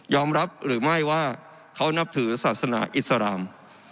ยอมรับหรือไม่ว่าเขานับถือศาสนาอิทฤทธิ์